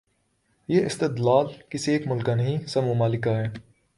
یہ استدلال کسی ایک ملک کا نہیں، سب ممالک کا ہے۔